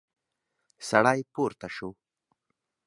سړی پورته شو.